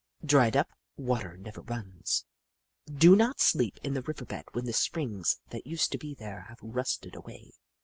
" Dried up water never runs. " Do not sleep in the river bed when the springs that used to be there have rusted away.